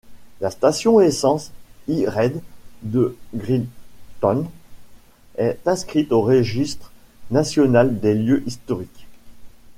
La station-essence Hy-Red de Greentown est inscrite au Registre national des lieux historiques.